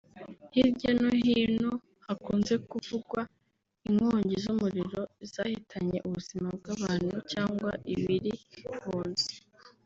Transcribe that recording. Hirya no hino hakunze kuvugwa inkongi z’umuriro zahitanye ubuzima bwa’abantu cyangwa ibiri mu nzu